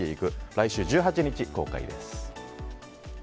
来週１８日、公開です。